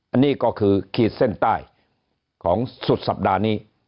อันนี้ก็คือขีดเส้นใต้ของสุดสัปดาห์นี้